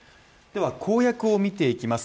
公約を見ていきます。